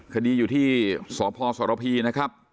คดีอยู่ที่สพสรพีนะครับ